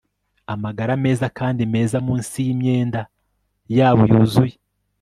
amagara meza kandi meza munsi yimyenda yabo yuzuye